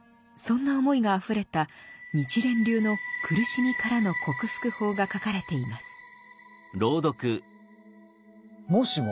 そんな思いがあふれた日蓮流の苦しみからの克服法が書かれています。